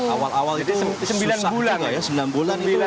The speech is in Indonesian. awal awal itu susah juga ya sembilan bulan itu rugi lah bisa dibilang gitu ya